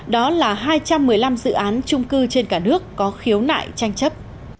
đó là hai trăm một mươi năm dự án trung cư trên cả nước có khiếu nại tranh chấp